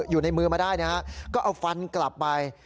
อยู่ในมือมาได้นะฮะก็เอาฟันกลับไป